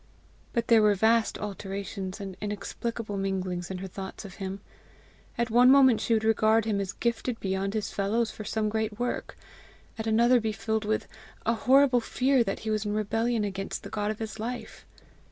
But there were vast alternations and inexplicable minglings in her thoughts of him. At one moment she would regard him as gifted beyond his fellows for some great work, at another be filled with a horrible fear that he was in rebellion against the God of his life.